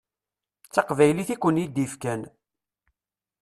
D taqbaylit i ken-id-yefkan.